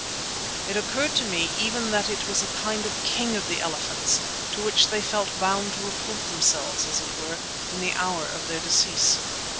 It occurred to me even that it was a kind of king of the elephants, to which they felt bound to report themselves, as it were, in the hour of their decease.